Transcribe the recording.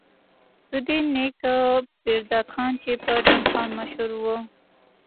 د دوي نيکه پيرداد خان چې پۀ ډنډ خان مشهور وو،